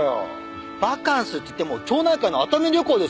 バカンスって言っても町内会の熱海旅行ですよ。